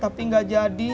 tapi gak jadi